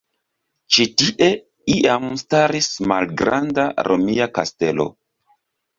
Ĉi tie iam staris malgranda romia kastelo.